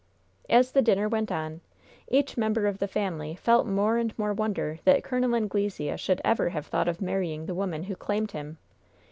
As the dinner went on, each member of the family felt more and more wonder that Col. Anglesea should ever have thought of marrying the woman who claimed him.